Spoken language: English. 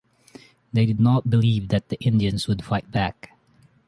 They did not believe that the Indians would fight back.